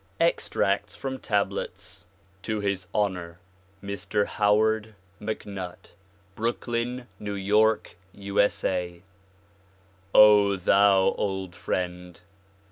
Extracts from Tablets To his honor Mr. Howard MacNutt, Brooklyn, New York, U. S. A, O thou old friend!